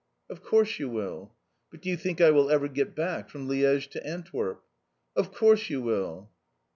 "Of course you will." "But do you think I will ever get back from Liège to Antwerp?" "Of course you will."